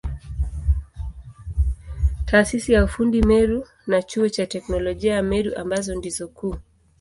Taasisi ya ufundi Meru na Chuo cha Teknolojia ya Meru ambazo ndizo kuu.